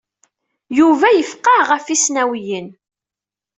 Yuba yefqeɛ ɣef yisnawiyen.